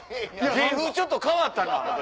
芸風ちょっと変わったな。